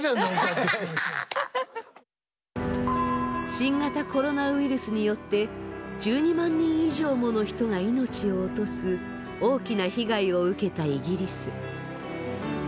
新型コロナウイルスによって１２万人以上もの人が命を落とす大きな被害を受けたイギリス。